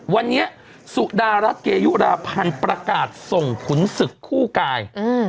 วันนี้สุดารัฐเกยุราพันธ์ประกาศส่งขุนศึกคู่กาย